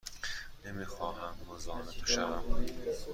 نمی خواهم مزاحم تو شوم.